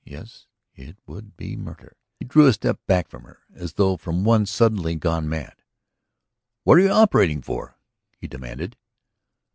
Yes, it would be murder." He drew a step back from her as though from one suddenly gone mad. "What are you operating for?" he demanded.